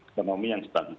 ekonomi yang sepatutnya